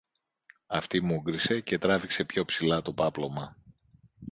Αυτή μούγκρισε και τράβηξε πιο ψηλά το πάπλωμα